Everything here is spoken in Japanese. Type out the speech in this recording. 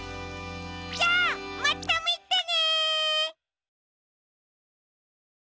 じゃあまたみてね！